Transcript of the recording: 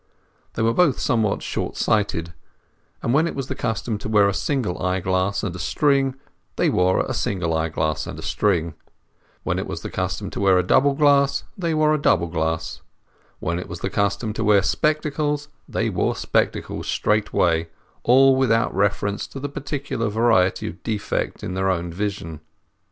They were both somewhat short sighted, and when it was the custom to wear a single eyeglass and string they wore a single eyeglass and string; when it was the custom to wear a double glass they wore a double glass; when it was the custom to wear spectacles they wore spectacles straightway, all without reference to the particular variety of defect in their own vision.